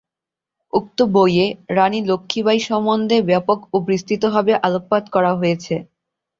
উক্ত বইয়ে রাণী লক্ষ্মী বাঈ সম্বন্ধে ব্যাপক ও বিস্তৃতভাবে আলোকপাত করা হয়েছে।